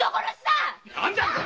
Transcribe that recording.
何だと！